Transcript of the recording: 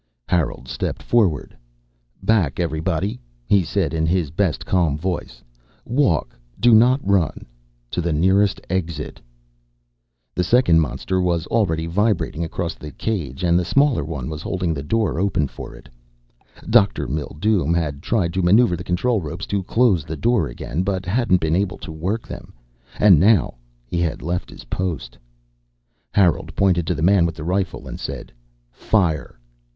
_" Harold stepped forward. "Back everybody," he said in his best calm voice. "Walk do not run to the nearest exit." The second monster was already vibrating across the cage and the smaller one was holding the door open for it. Dr. Mildume had tried to maneuver the control ropes to close the door again, but hadn't been able to work them and now he had left his post. Harold pointed to the man with the rifle and said, "Fire!"